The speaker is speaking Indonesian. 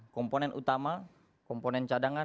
komponen utama komponen cadangan